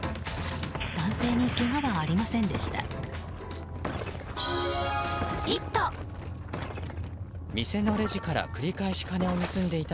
男性にけがはありませんでした。